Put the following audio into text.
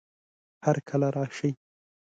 هرکله راشئ!